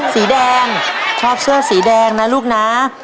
สีแดงชอบเสื้อสีแดงนะลูกนะ